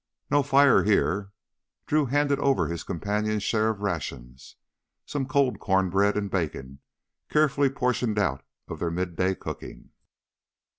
"No fire here." Drew handed over his companion's share of rations, some cold corn bread and bacon carefully portioned out of their midday cooking.